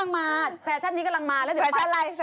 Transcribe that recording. และหนึ่งนะคุณลุง